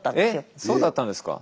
えっそうだったんですか？